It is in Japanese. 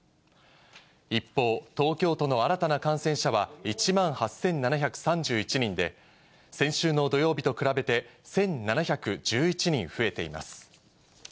一方、東京都の新たな感染者は１万８７３１人で、先週の土曜日と比べて、１７１１人増えています。